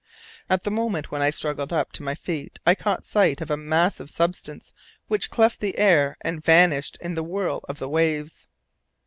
At the moment when I struggled up to my feet I caught sight of a massive substance which cleft the air and vanished in the whirl of the waves.